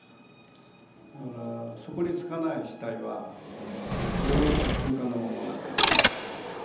だから底につかない死体はずっと中間のまま流れていく。